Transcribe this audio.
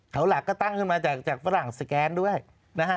เขาหลักก็ตั้งขึ้นมาจากฝรั่งสแกนด้วยนะฮะ